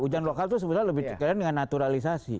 hujan lokal tuh sebenarnya lebih kelihatan dengan naturalisasi